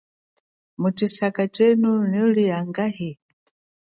Mutshisaka tshenu nuli angahi.